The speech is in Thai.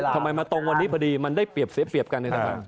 ทำไมมาตรงวันนี้พอดีมันได้เปรียบเสียเปรียบกันในสภา